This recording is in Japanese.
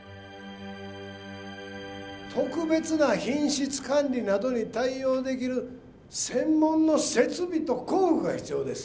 特別な品質管理などに対応できる専門の設備と工具が必要です。